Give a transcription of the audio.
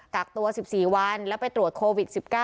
กักตัว๑๔วันแล้วไปตรวจโควิด๑๙